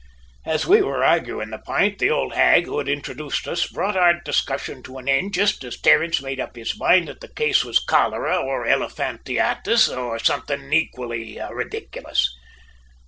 "As we were arguin' the p'int, the ould hag who had introduced us brought our discussion to an end jist as Terence made up his mind that the case was cholera or elephantiasis or something else equally ridiculous!